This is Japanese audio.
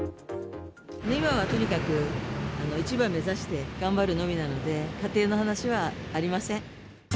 今はとにかく、一番目指して頑張るのみなので、仮定の話はありません。